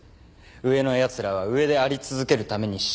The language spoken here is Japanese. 上の奴らは上であり続けるために下を抑えつける。